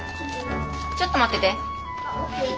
ちょっと待ってて。